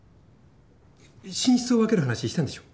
寝室を分ける話したんでしょ？